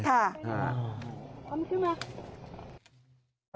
ค่ะ